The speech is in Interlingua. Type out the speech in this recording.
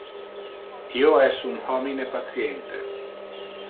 Io es un homine patiente.